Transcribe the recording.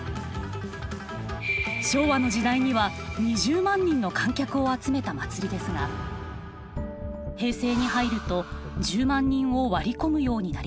昭和の時代には２０万人の観客を集めた祭りですが平成に入ると１０万人を割り込むようになりました。